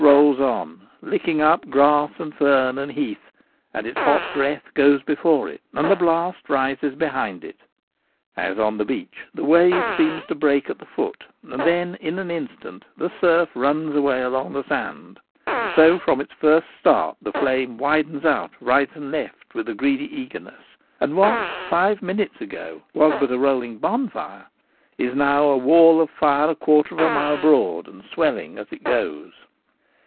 rolls on, licking up grass and fern and heath ; and its hot breath goes before it, and the blast rises behind it. As on the beach the wave seems to break at the foot, and then in an instant the surf runs away along the sand, so from its first start the flame widens out right and left with a greedy eagerness, and what five minutes ago was but a rolling bonfire is now a wall of fire a quarter of a mile broad, and swelling as it goes.